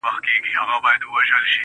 په زر چنده مرگ بهتره دی~